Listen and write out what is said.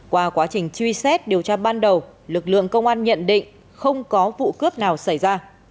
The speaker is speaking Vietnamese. qua quá trình truy xét điều tra ban đầu lực lượng công an nhận định không có vụ cướp nào xảy ra